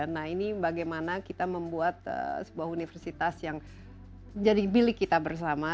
nah ini bagaimana kita membuat sebuah universitas yang jadi bilik kita bersama